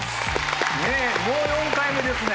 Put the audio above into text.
ねぇもう４回目ですね。